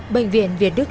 bệnh viện việt đức